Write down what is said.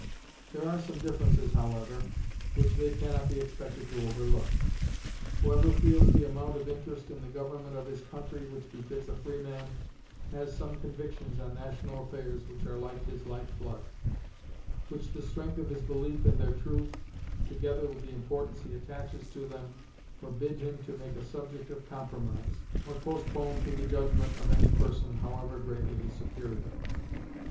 There are some differences, however, which they can not be expected to overlook. Whoever feels the amount of interest in the government of his country which befits a freeman, has some convictions on national affairs which are like his life blood; which the strength of his belief in their truth, together with the importance he attaches to them, forbid him to make a subject of compromise, or postpone to the judgment of any person, however greatly his superior.